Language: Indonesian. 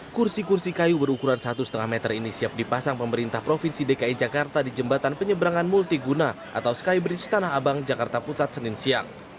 kursi kursi kayu berukuran satu lima meter ini siap dipasang pemerintah provinsi dki jakarta di jembatan penyeberangan multiguna atau skybridge tanah abang jakarta pusat senin siang